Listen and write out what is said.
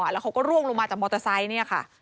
แล้วเขาก็ร่วงลงมาจากมอเตอร์ไซค์